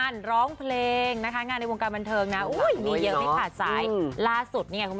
อย่างฝากกันของพระเอกนะ